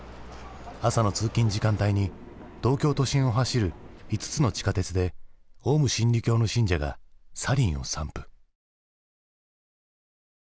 朝の通勤時間帯に東京都心を走る５つの地下鉄でオウム真理教の信者がサリンを散布。